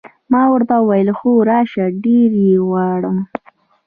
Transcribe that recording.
ما ورته وویل: هو، راشه، ډېر یې غواړم.